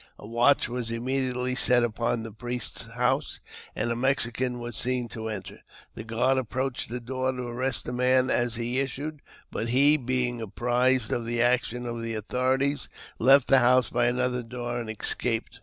A watch was immediately set upon the priest's house, and a Mexican was seen to enter. The guard ap proached the door to arrest the man as he issued, but he, being apprised of the action of the authorities, left the house by «,nother door, and escaped.